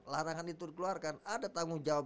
larangan itu dikeluarkan ada tanggung jawab